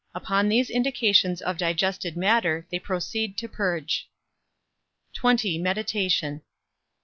Upon these indications of digested matter, they proceed to purge. XX. MEDITATION.